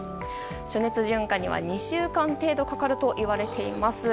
暑熱順化には２週間程度かかるといわれています。